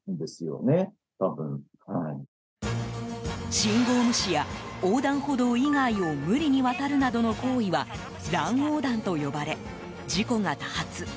信号無視や、横断歩道以外を無理に渡るなどの行為は乱横断と呼ばれ、事故が多発。